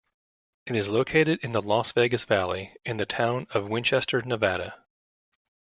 It is located in the Las Vegas Valley in the town of Winchester, Nevada.